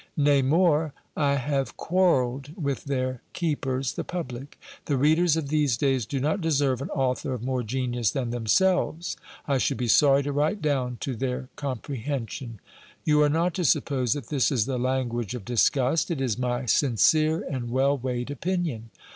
Nay, more, I have quarrelled with their keepers, the public The readers of these days do not deserve an author of more genius than themselves : I should be sorry to write down to their com p rehension. You are not to suppose that this is the language of disgust ; it is my sincere and well weighed opinion.